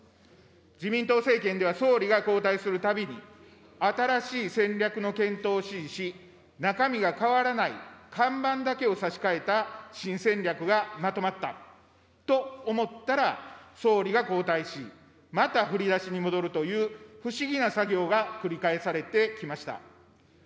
自民党政権では総理が交代するたびに、新しい戦略の検討を指示し、中身が変わらない看板だけを差し替えた新戦略がまとまったと思ったら、総理が交代し、また振り出しに戻るという不思議な作業が繰り返されてきました。